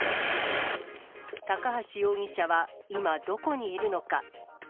高橋容疑者は今、どこにいるのか。